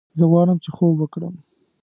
زه غواړم چې خوب وکړم